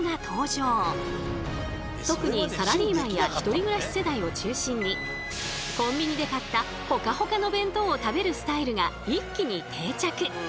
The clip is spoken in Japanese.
特にサラリーマンや１人暮らし世代を中心にコンビニで買ったホカホカの弁当を食べるスタイルが一気に定着。